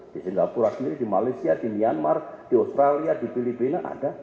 di singapura sendiri di malaysia di myanmar di australia di filipina ada